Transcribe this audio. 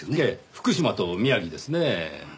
福島と宮城ですね。